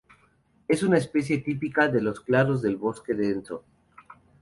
Es una especie típica de los claros del bosque denso.